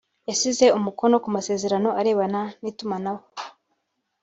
yashyize umukono ku masezerano arebana n’itumanaho